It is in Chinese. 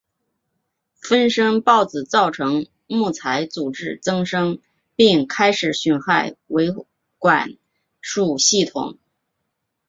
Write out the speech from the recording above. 分生孢子造成木材组织增生并开始损害维管束系统。